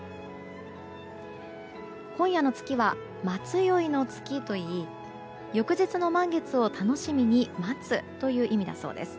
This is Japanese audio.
今夜の月は、待宵の月といい翌日の満月を楽しみに待つという意味だそうです。